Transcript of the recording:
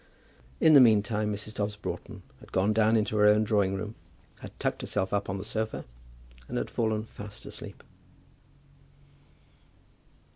In the meantime Mrs. Dobbs Broughton had gone down into her own drawing room, had tucked herself up on the sofa, and had fallen fast asleep.